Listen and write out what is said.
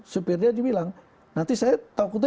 supir dia bilang nanti saya takutnya